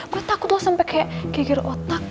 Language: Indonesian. gue takut lo sampe kayak kegir otak